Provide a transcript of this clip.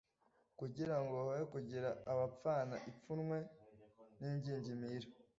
kugira ngo hoye kugira abapfana ipfunwe n’ingingimira